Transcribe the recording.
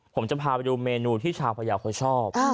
ผมจะพาไปดูเมนูที่ชาวพยาวเขาชอบ